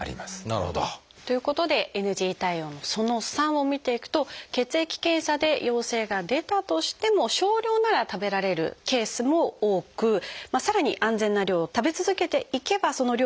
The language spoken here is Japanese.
なるほど。ということでＮＧ対応のその３を見ていくと血液検査で陽性が出たとしても少量なら食べられるケースも多くさらに安全な量を食べ続けていけばその量を増やしていくこともできると。